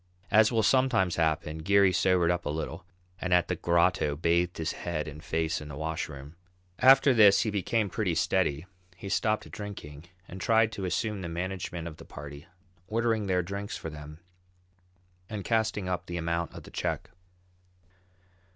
As will sometimes happen, Geary sobered up a little and at the "Grotto" bathed his head and face in the washroom. After this he became pretty steady, he stopped drinking, and tried to assume the management of the party, ordering their drinks for them, and casting up the amount of the check.